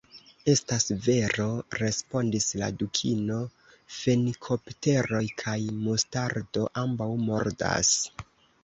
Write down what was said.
"Estas vero," respondis la Dukino. "Fenikopteroj kaj mustardo ambaŭ mordas.